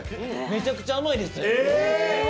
めちゃくちゃ甘いです。